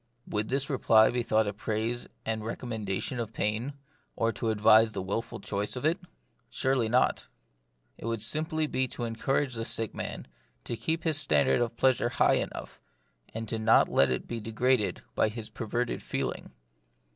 Would this reply be thought a praise and recommendation of pain, or to advise the wilful choice of it ? Surely not. It would simply be to encourage the sick man 84 The Mystery of Pain, to keep his standard of pleasure high enough, and not to let it be degraded by his perverted feeling.